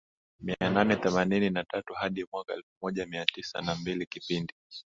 mia nane themanini na tatu hadi mwaka elfu moja mia tisa na mbili Kipindi